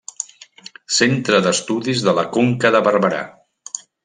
Centre d'Estudis de la Conca de Barberà.